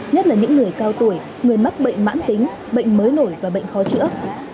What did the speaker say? nhất là những người cao tuổi người mắc bệnh mãn tính bệnh mới nổi và bệnh khó chữa